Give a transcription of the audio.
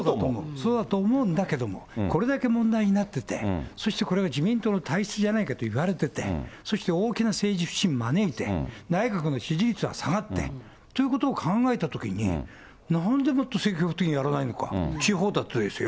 そうだと思うんだけども、これだけ問題になって、そして、これが自民党の体質じゃないかって言われてて、そして大きな政治不信招いて、内閣の支持率は下がって、ということを考えたときに、なんでもっと積極的にやらないのか、地方だってですよ。